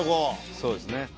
そうですね。